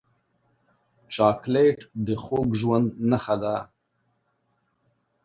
چاکلېټ د خوږ ژوند نښه ده.